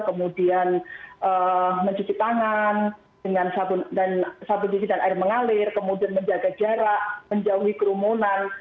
kemudian mencuci tangan dengan sabu gigi dan air mengalir kemudian menjaga jarak menjauhi kerumunan